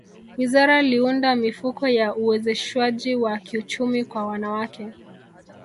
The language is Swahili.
wizara liunda mifuko ya uwezeshwaji wa kiuchumi kwa wanawake